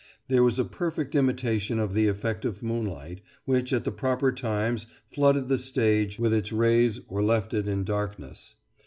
There was a perfect imitation of the effect of moonlight, which at the proper times flooded the stage with its rays or left it in darkness.